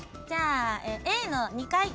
じゃあＡの２階。